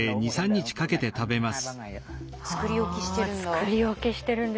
作り置きしてるんだ。